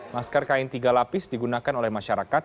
masker kain tiga lapis digunakan oleh masyarakat